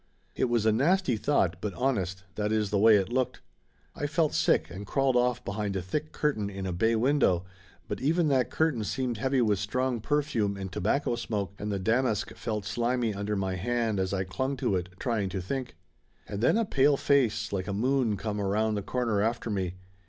It was a nasty thought, but hon est, that is the way it looked. I felt sick, and crawled off behind a thick curtain in a bay window, but even that curtain seemed heavy with strong perfume and 116 Laughter Limited tobacco smoke, and the damask felt slimy under my hand as I clung to it, trying to think. And then a pale face like a moon come around the corner after me.